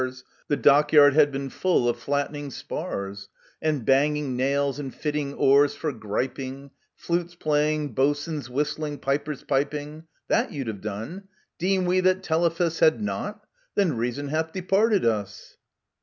\————— The dockyard had been full of flattening spars, And banging nails, and fitting oars for griping, Flutes playing, boatswains whistling, pipers piping. That you'd have done ;" Deem we that Telephus Had not ? then reason hath departed us